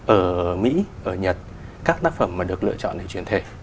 ở mỹ ở nhật các tác phẩm mà được lựa chọn để truyền thể